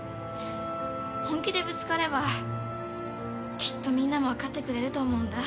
本気でぶつかればきっとみんなも分かってくれると思うんだ。